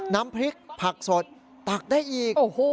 น้ำพริกผักสดตักได้อีก